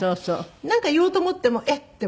なんか言おうと思ってもえっ？って忘れたり。